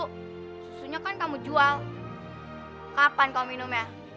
susunya kan kamu jual kapan kau minumnya